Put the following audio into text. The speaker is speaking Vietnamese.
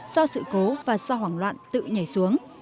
do sự cố và do hoảng loạn tự nhảy xuống